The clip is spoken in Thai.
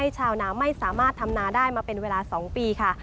ชาวนาไม่สามารถทำนาได้มาเป็นเวลา๒ปีค่ะ